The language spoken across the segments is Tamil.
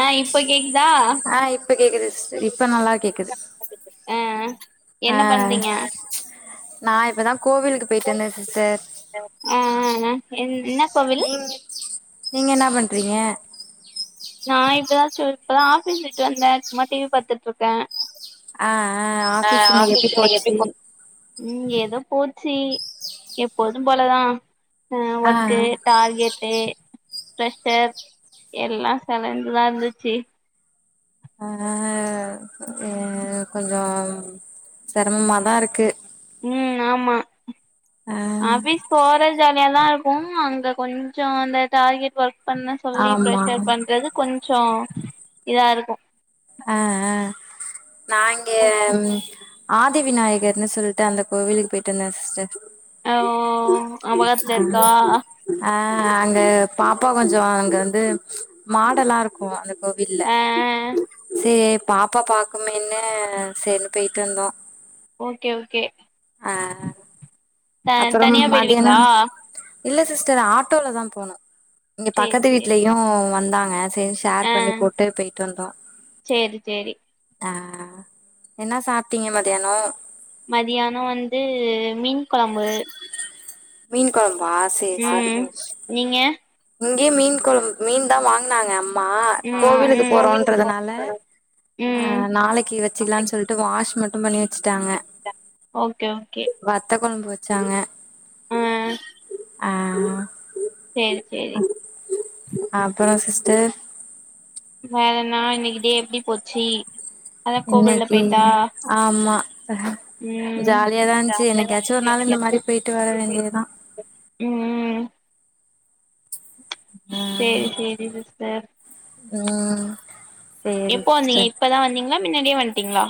ஆ இப்ப கேக்குதா அ இப்ப கேக்குது சிஸ்டர் இப்ப நல்லா கேக்குது ஆ ஆ என்ன பண்றீங்க நா இப்பதா கோவிலுக்கு போய்ட்டு வந்தே சிஸ்டர் ஆ என் என்ன கோவில் நீங்க நீங்க என்ன பண்றீங்க நா இப்பதா இப்பதா ஆஃபீஸ் விட்டு வந்தே சும்மா டி வி பாத்துட்ருக்கே அ அ ஆஃபீஸ் இன்னிக்கு எப்டி போச்சு ம் எதோ போச்சு எப்போதும்போலதா அ ஆ ஒர்க்கு டார்கெட்டு பேரஷ்ஷர் எல்லா தலந்துதா இருந்துச்சு ஆ எனக் கொஞ்சோம் சிரமமாதா இருக்கு ம் ஆமா ஆ ஆஃபீஸ் போற ஜாலியதா இருக்கு அங்க கொஞ்சோ அந்த டார்கெட் ஒர்க் பண்ண சொல்லி ஆமா ப்ரெஷர் பண்றது கொஞ்சோ இதா இருக்கு ஆ நா இங்க ஆதி விநாயகர்னு சொல்லிட்டு அந்த கோவிலுக்கு போயிட்டு வந்தே சிஸ்டர் அங்க பக்கத்துல இர்க்க அ அங்க பாப்பா கொஞ்ச அங்க வந்து மாடெல்லா இருக்கு அந்த கோவில்ல ஆ சே பாப்பா பக்குமேனு சேர்னு போயிட்டு வந்தோ ஓகே ஓகே ஆ த அப்புறம் தனியா மதியானோ போயிடுவீங்களா இல்ல சிஸ்டர் ஆட்டோலதா போணோ இங்க சேரி பக்கத்து சேரி வீட்லயு வந்தாங்க சேரி ஆ ஷேர் பண்ணி போட்டு போய்ட்டு வந்தோ சேரி சேரி ஆ என்ன சாப்ட்டீங்க மதியானோ மதியானோ வந்து மீன் குழம்பு மீன் குழம்பா சேரி சேரி ம் நீங்க இங்கியு மீன் குழம் மீன்தா வாங்கனாங்க அம் மா ம் கோவிலுக்கு ம் போறோன்றதுனால அ ம் நாளைக்கு வெச்சுக்கலான் சொல்ட் டு வாஷ் மட்டு பண்ணி வெச்சுட்டாங்க ஓகே ஓகே வத்த கொழம்பு வெச்சாங்க ஆ ஆ சேரி சேரி அப்பறோ சிஸ்டர் வேறென்னா இன்னைக்கி டே எப்டி போச்சு அதா கோவில்ல இன்னைக்கு போயிட்டா ஆமா ம் ஜாலியாதா இந்ச்சு என்னைக்காச்சு ஒரு நாளு இந்த மாரி போயிட்டு வர வேண்டியதா ம் ஆ சேரி சேரி சிஸ்டர் ம் சேரி எப்போ வந்தீங்க சிஸ்டர் இப்பதா வந்தீங்ளா மின்னாடியே வன்ட்டிங்ளா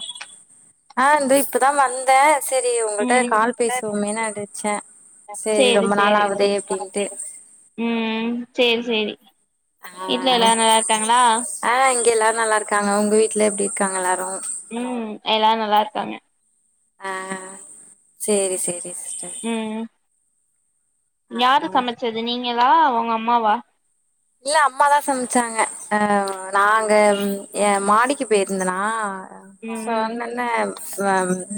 ஆ இந்த இப்பதா வந்தே செரி உங்கள்ட்ட ம் கால் பேசுவோமேனு அடிச்சே செரி சேரி ரொம்ப நாள் சேரி ஆவுதே அப்டின்ட்டு ம் சேரி சேரி வீட்ல ஆ எல்லாரு நல்லார்க்காங்ளா ஆ இங்க எல்லாரு நல்லார்க்காங்க உங்க வீட்ல எப்டி இருக்காங்க எல்லாரு ம் எல்லாரு நல்லார்க்காங்க ஆ சேரி சேரி சிஸ்டர் ம் ஆ யாரு சமச்சது நீங்களா உங்க அம்மாவா இல்ல அம்மாதா சமச்சாங்க அ நா அங்க ஏ மாடிக்கு பேயிருந்தனா ம் ம் சொன்னொன்னே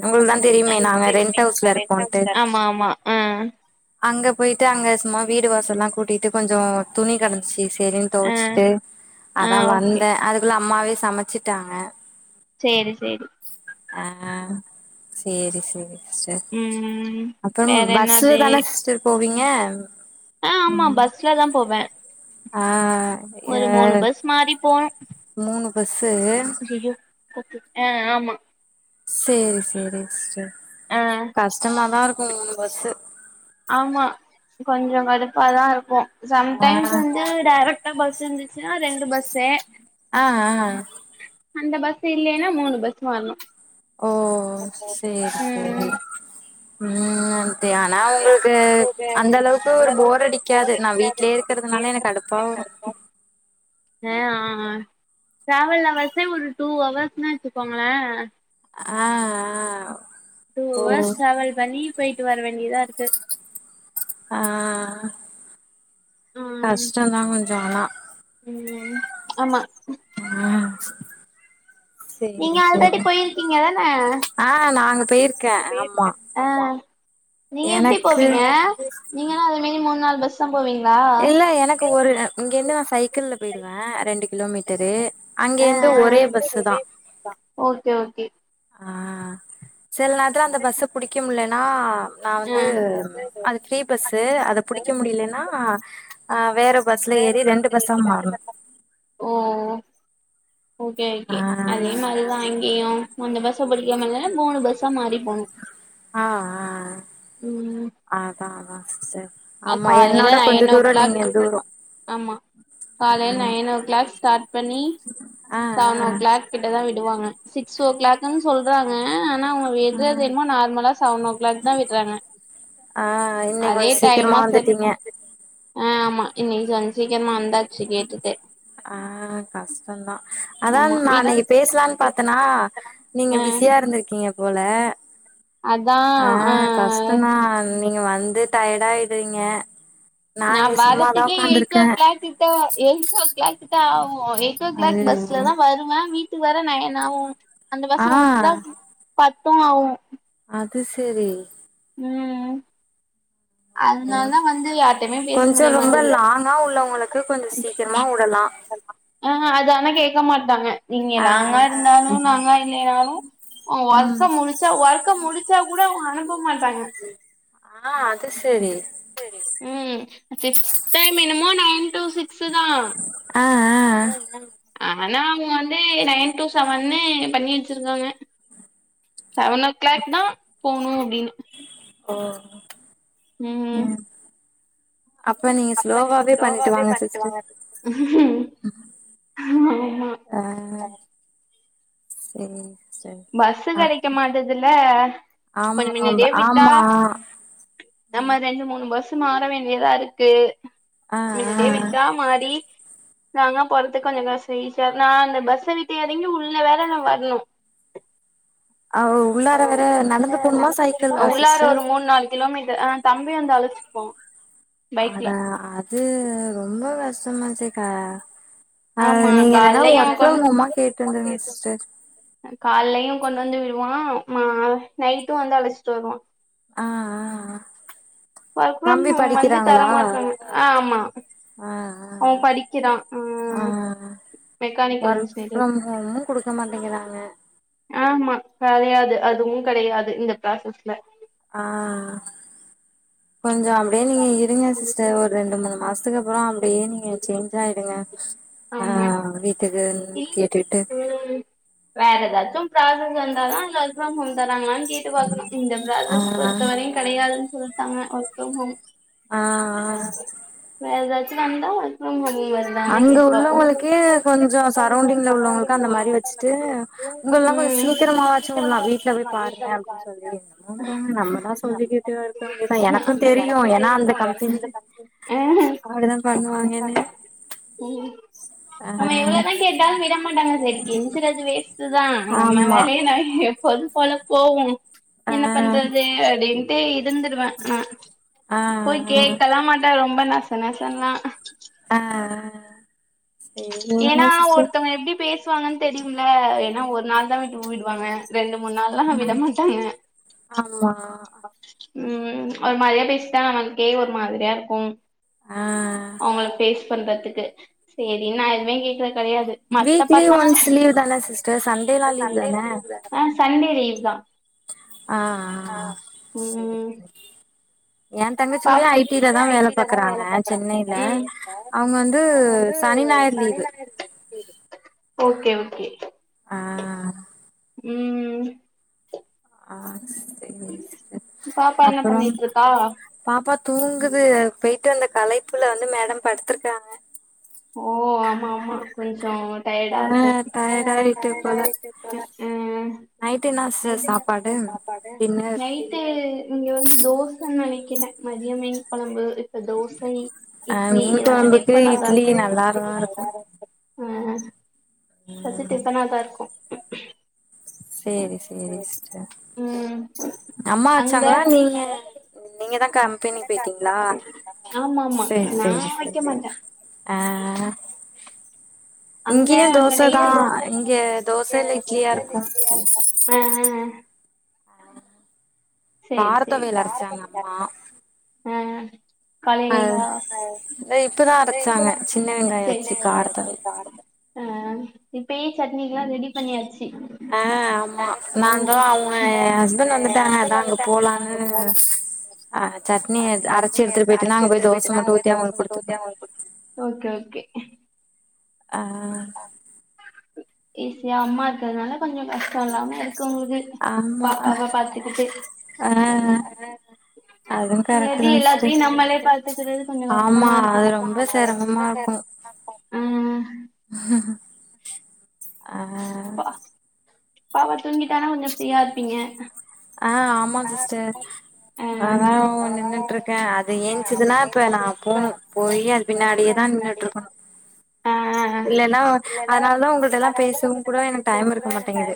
உங்களுக்தா தெரியுமே நாங்க ரெண்ட் ஹவுஸ்ல இருக்கோன்ட்டு ம் அங்க போயிட்டு அங்க சும்மா வீடு வாசல்லா கூட்டிட்டு கொஞ்சோ துணி கிடந்துச்சு சேரின் ஆ தோச்சுட்டு ஆ அதா ஓகே வந்தே அதுக்குள்ள அம்மாவே சமச்சிட்டாங்க சேரி சேரி ஆ சேரி சேரி ம் அப்புறம் வேற என்னது பஸ்லதானா சிஸ்டர் போவீங்க ஆ ஆமா பஸ்ல தா போவ ஆ ஒரு மூணு எ பஸ் மாறி போனோ மூணு பஸ்ஸு ஐய்யய்யோ ஓக்கே அ ஆமா சேரி சேரி சிஸ்டர் ஆ கஷ்டமாதா இருக்கூ மூணு பஸ்ஸு ஆமா கொஞ்சோ கடுப்பாதா இருக்கூ ஆ சம்டைம்ஸ் வந்து டேரக்ட் கா பஸ் இருந்துச்சுனா ரெண்டு பஸ்ஸு அ ஆ அந்த பஸ் இல்லேன்னா மூணு பஸ் மார்னு ஓ சேரி சேரி ம் ம் இது யான உங்களுக்கு ஓகே அந்த அளவுக்கு அந்த ஒரு அளவுக்கு போர் அடிக்காது நா வீட்லயே இருக்கிறதுனால எனக்கு கடுப்பா வரூ ஆ யே அ ஆ டிராவல் ஹவர்ஸே ஒரு டூ ஹவர்ஸ்ன்னு வச்சுக்கோங்களே ஆ டூ அவர்ஸ் ஓ டிரவல் பண்ணி போயிட்டு வர வேண்டியதா இருக்கு ஆ ம் கஷ்டந்தா கொஞ்ச அனா ம் ஆமா ம் நீங்க ஆல்ரெடி போயிருக்கீங்க தான ஆ நா அங்க பேயிர்க்கே ஆமா ஆ நீங்க எப்டி எனக்கு போவீங்க நீங்களு அதுமேனி மூண் நால் பஸ் த போவீங்ளா இல்ல எனக்கு ஒரு இங்கேந்து நா சைக்கிள்ல போயிருவே ரெண்டு கிலோமீட்டரு அங்கேந்து ஒரே பஸ்சு தா த ஓகே ஓகே ஆ சில நேரத்துல அந்த பஸ் புடிக்க முடியலன்னா நான் ஆ வந்து அது ஃப்ரீ பஸ்ஸு அத புடிக்க முடியலன்னா ஆ வேற பஸ்ல ஏறி ரெண்டு பஸ்ஸா மாறணூ ஓ ஓகே ஆ ஓகே அதே மாதிரி தா இங்கையூ மூணூ பஸ்ஸெ படிக்கோம்ல மூணு பஸ்ஸா மாறி போணோ அ ம் ஆ அதா அதா சேரி ஆமா காலையில என்னோட கொஞ்சொ நைன் ஓ தூரோ நீங்க தூரோ ஆ காலையில் நைன் ஓ கிளாக் ஸ்டார்ட் பண்ணி ஆ ஆ செவனோ ஓ கிளாக் கிட்ட தா விடுவாங்க சிக்ஸ் ஓ கிளாக் டன் சொல்றாங்க ஆனா அவங்க விட்றது என்னுமோ ஆ நார்மலா செவனோ ஓ கிளாக் தா விட்றாங்க ஆ இன்னிக் கொஞ்செ ஏமா செல்லுமா அ ஆமா இன்னிக் கெஞ் சீக்கிரமா வந்தாச்சு கேட்டுட்டு ஆ கஷ்டன் தா அதா ஆமா வீட்டுக்கு அன்னிக்கி பேசலான்னு பாத்தேன்னா நீங்க ஆ பிஸியா இருந்திருக்கீங்க போல அதா ஆ கஷ்ட்தா நீங்க வந்து டயர்ட்டா ஆயிட்றீங்க நா வரத்துக்கே எயிட்டோ ஓ க்ளாக் கிட்ட எயிட் ஓ கிளாக் கிட்ட ஆகோ எயிட் ஓ கிளாக் அய்யய்யோ பஸ்ல தா வருவே வீட்டுக்கு வர நயன் ஆவூ அந்த ஆ பஸ்ஸா வுட்டுட்டா பத்தூ ஆவூ அது செரி ம் அத்னால தா வந்து யாருட்டயுமே பேச கொஞ்சோ முடிய ரொம்ப மாட்டேங்குது லாங்கா உள்ளவங்களுக்கு கொஞ்சோ சீக்கிரமா உடலா ஹெ ஹேங் அது ஆனா கேக்க மாட்டாங்க நீங்க நீ ஆ லாங்கா இருந்தாலூ லாங்கா இல்லைனாலூ ம் ஒர்க்க முடிச்சா ஒர்க்க முடிச்சா கூட அவங்க அனுப்ப மாட்டாங்க ஆ அது செரி ம் செட்டா மினிமம் நைன் டூ சிக்ஸு தான் ஆ ஆ ஆன அவுங்க வந்து நைன் டூ சவன்னு பண்ணி வச்சிருக்காங்க செவன் ஓ கிளாக் தா போவுணு அப்டின்னு ஓ ம் அப்ப நீங்க அப்ப நீங்க ஸ்லோவாவே பண்ணிட்டு வாங்க அ சேரி பஸ் அப் கெடைக்க மாட்டதுல்ல கொஞ்ச ஆமா மின்னடியே விட்டா ஆமா நம்ம ரெண்டு மூணு பஸ்ஸூ மாற வேண்டியதாருக்கு ஆ ஆ மின்னடியே விட் யா மாறி நாங்க போறதுக்கு கொஞ்ச காசு ஈஸியா நா அந்த பஸ்ஸ விட்டு ஏறங்கி உள்ள வேற நா வர்ணு ஆவ் உள்ளார வேற நடந்து போவ்ணுமா சைக்கிளா உள்ளார சிஸ்டர் ஒரு மூணு நாலு கிலோமீட்டர் ஆ தம்பி வந்து அழைச்சிக்போவ் அடா அது ரொம்ப கஷ்டமாச்சக்கா அ ஆமா நீங்க இல்லன்னா கால்லயு அவ ஒர்க் கொண்டு ஃப்ரம் ஹோம்மா கேட்டுருங்க சிஸ்டர் கால்லையூ கொண்டு வந்து விடுவான் மா நைட்டூ வந்து அழைச்சிட்டு வருவா அ ஆ ஒர்க் ஃப்ரம் தம்பி ஹோம் வந்து தர படிக்கிறாங்களா மாட்டங்க ஆம்மா ஆ ஆ அவ படிக்கிறா அ ஆ மெக்கானிக்கல் இன்ஜினியரிங் ஒன்னும் குடுக்க மாட்டங்கிறாங்க ஆம்மா கடையாது அதுவு கடையாது இந்த ப்ராசஸ்ல ஆ கொஞ்சொ அப்டே நீங்க இருங்க சிஸ்டர் ஒரு ரெண்டு மூணு மாஸ் அத்துக்கப்பற அப்டே நீங்க சேஞ்ச் ஆயுடுங்க அ ஆமா வீட்டுக்குன் கேட்டுட்டு ம் வேற எதாச்சும் ஃப்ராஸஸ் வந்தாதா பெர்க் ஃப்ரம் ஹோம் தராங்களான் கேட்டு பாக்கணு இந்த ஆ ப்ராஸஸ் பொறுத்தவரையு கெடையாதுன் சொல்ட்டாங்க ஒர்க் ஃப்ரம் ஹோம் ஆ ஆ வேற ஏதாச் வந்தா ஒர்க் ஃப்ரம் ஹோம்ல அங்க உள்ளவங்களுக்கே கொஞ்சொ சரௌண்டிங்ல உள்ளவங்களுக்கு அந்த மாரி வச்ட்டு உங்கல்லா கொஞ்ச ம் ம் சீக்கிரமாவச்சு வுல்லா வீட்டல பாருங்க அப்படின்னு சொல்லி என்னமோ போங்க நம்மதா சொல்லிகிட் டு வா இருக்க வேண்டிதா எனக்கூ தெரியு ஏன்னா அந்த கம்பெனி அப்டிதா என்னா பண்ணுவாங்கன்னு பன்ற ஆ நம்ம எவ்ளதா கேட்டாலு விட மாட்டாங்க செரி கெஞ்சுரது வேஸ்ட்டுதா நம்ம ஆமா வேலைய நா எப்போதுப்போல போவு ஆ என்ன பண்றது அட்டின்ட்டு இருந்துருவ நா ஆ போய் கேக்கல மாட்ட ரொம்ப நசநசன்லா ஆ ஏனா சேரிங்க சிஸ்டர் ஒர்த்தங்க எப்டி பேஸ் சுவாங்கன் தெரியுமுல்ல என்னா ஒரு நாள் தா வீட்டு விடுவாங்க ரெண்டு மூணு நாள்ளா விடமாட்டாங்க ஆம்மா ம் ஒரு மாதிரியா பேசிட்டா நமக்கே ஒரு மாதிரியார்க்கூ ஆ அவுங்கள பேஸ் பண்றத்துக்கு சேரின் நா எதுமே கேக்குற கடையாது வீக்லி ஒன்ஸ் லீவ் தானே சிஸ்டர் சண்டேல்லா லீவ் தானே ஆ சண்டே லீவ்தா ஆ ஆ ம் சேரி ஏ தங்கச்சி எ கூட ஐ டி ல கூட தா ஐ டி லதா பாக்குறாங்க வேல பாக்குறாங்க சென்னைல பிரச்சன இல்ல அவங்க வந்து அவங்க வந்து சனி ஞாயிறு லீவு ஓக்கே ஓக்கே அ ம் அ சேரி சேர் பாப்பா என்ன அப்பறம் பண்ணிட்டு இருக்கா பாப்பா தூங்குது பெயிட்டு வந்த களைப்புல வந்து மேடம் படுத்துர்க்காங்க ஓ ஆமா ஆமா கொஞ்சோ டயர்டா ஆ இருக்கு டயர்ட் ஆயிட்டு போல ம் ம் நைட் என்னா சிஸ்டர் சாப்பாடு டின்னர் நைட் அது இங்க வந் தோச நெனைக்கிற மதியோ மீன் கொழம்பு இப்ப தோஸ் இட்டுலி ஆ இட்லி மீன் எதாச்சு கொழம்புக்கு டிஃபன்னாதா இட்லி நல்லாதா இருக்கு எதாச்சு டிஃபன்னாதா இருக்கு சேரி சேரி சிஸ்டர் ம் அம்மா அங்க வச்சாங்களா நீங்க நீங்கதா கம்பெனி பேய்ட்டீங்ளா ஆமா ஆமா சேர் நா சேரி வைக்க சேரி மாட்டே ஆ அங்க இங்கியு அங்க தோசதா நைட்டு இங்க தோச இல்ல இட்லியா இருக்கு ஆ ஆ சேரி கார சேரி தொவையல் அரச்சாங்க அம்மா ஆ ஆ காலலேவா இத இப்பதா அரச்சாங்க சின்ன வெங்காயோ வெச்சு காரத்தொவைல் காரத்த அ இப்பயே சட்னிக்கெலா ரெடி பண்ணியாச்சு ஆ ஆம்மா ஆ நாந்தா அவுங்க ஹஸ்பண்ட் வந்துட்டாங்க அதா அங்க போலான்னு அ சட்னிய அது அரச்சு எடுத்துட்டு போய்ட்டுனா அங்க போய் தோச மட்டு ஊத்தி அவுங்குளுக் குடுத்துர்வ அது ஓகே ஓகே ஆ ஈசியா அம்மா இருக்கிறதுனால கொஞ்சோ கஷ்டோ இல்லாம இருக்கு உங்ளுக்கு ஆமா பாப்பாவ பாத்துகிட்டு ஆ அதுனால அதுவு கரெக்ட் மேபி தா சிஸ்டர் எல்லாத்தையு நம்மளே பாத்துக்கிறது கொஞ்சோ ஆமா கஷ்டமா இருக்கு அது ரொம்ப சிரமமா ஆ ஆஹ பா பாப்பா தூங்கிட்டானா கொஞ்சோ ஃப்ரீயா இருப்பீங்க ஆ ஆமா சிஸ்டர் ஆ அதா உ நின்னுட்ருக்க அது ஏஞ்சிதுனா இப்ப நா போணு போயி அது பின்னாடியேதா நின்னுட்டிருக்கணு ஆ இல்லனா அதுனாலதா உங்கட்டலா பேசவுங்கூட எனக்கு டைம் இருக்க மாட்டேங்குது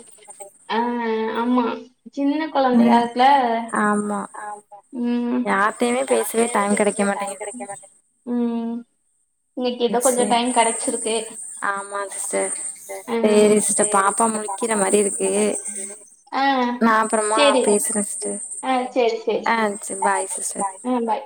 ஆ ஆமா சின்ன கொழந்தையா ம் இல்ல ஆமா ம் யார்ட்டையுமே பேசவே டைம் கெடைக்க மாட்டேங்குது ம் இன்னைக்கு எதோ கொஞ்சோ டைம் கெடச்சிருக்கு ஆமாங் சிஸ்டர் ஆ சேரி சிஸ்டர் பாப்பா முழிக்கிற மாரி இருக்கு ஆ நா அப்புறமா சேரி பேசுற சிஸ்டர் ஆ ஆ சேர் பாய் சிஸ்டர் ம் பாய்